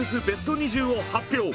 ベスト２０を発表。